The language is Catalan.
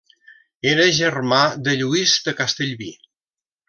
Era germà de Lluís de Castellví.